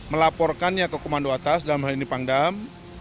melaporkannya ke komando atas dalam hal ini pangdam